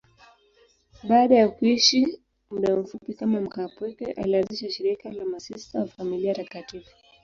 Baada ya kuishi muda mfupi kama mkaapweke, alianzisha shirika la Masista wa Familia Takatifu.